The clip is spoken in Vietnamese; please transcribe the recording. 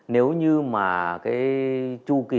nếu như mà cái chu kỳ